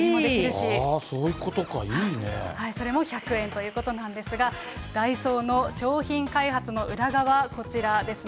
それも１００円ということなんですが、ダイソーの商品開発の裏側、こちらですね。